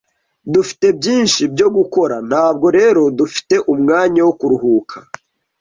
Dufite byinshi byo gukora, ntabwo rero dufite umwanya wo kuruhuka.